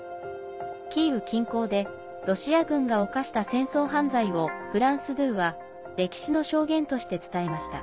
キーウ近郊でロシア軍が犯した戦争犯罪をフランス２は歴史の証言として伝えました。